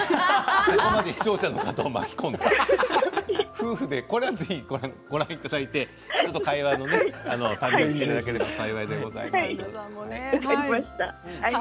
ここまで視聴者の方を巻き込んで夫婦でぜひこれはご覧いただいて会話にしていただければ分かりました。